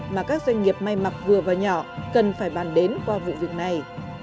mà các doanh nghiệp may mặc vừa và nhỏ cần phải bàn đến qua vụ việc này